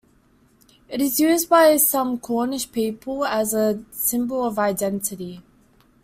It is used by some Cornish people as a symbol of identity.